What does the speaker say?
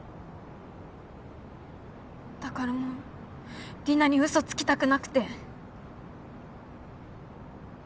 だからもうリナにうそつきたくなくて。